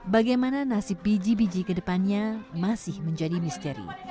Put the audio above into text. bagaimana nasib biji biji kedepannya masih menjadi misteri